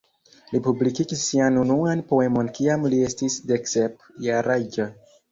Li publikigis sian unuan poemon kiam li estis deksep jaraĝa.